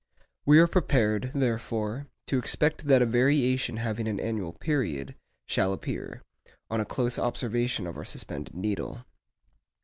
We are prepared, therefore, to expect that a variation having an annual period, shall appear, on a close observation of our suspended needle.